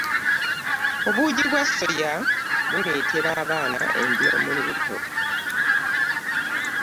Obuugi bwa soya bureteera abaana embiro mu lubuto.